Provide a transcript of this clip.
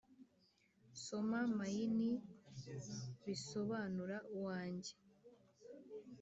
soma mayini, bisobanura uwange